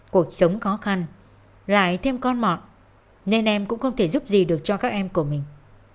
cuộc sống khó khăn lại thêm con mọn nên em cũng không thể giúp gì được cho các em của mình